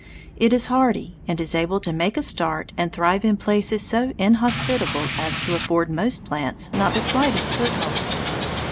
It is hardy, and is able to make a start and thrive in places so inhospitable as to afford most plants not the slightest foothold.